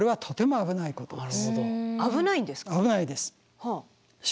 危ないんですか？